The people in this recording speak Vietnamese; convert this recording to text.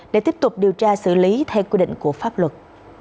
để tiếp tục điều tra xử lý theo quy định của pháp luật